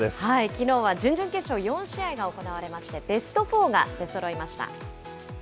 きのうは準々決勝４試合が行われまして、ベストフォーが出そろいました。